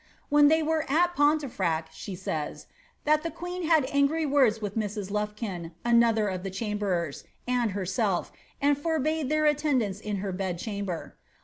^^ When they were at Pontefract," she sa}*^, ^ the queen had angry words with Mrs. Luf]^ kyn (another of the chamberers) and herself, and forbade their attend ance in her bed chamber."